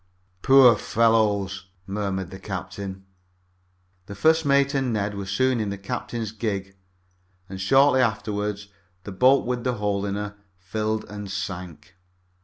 "Poor fellows," murmured the captain. The first mate and Ned were soon in the captain's gig, and shortly afterward the boat with the hole in her filled and sank.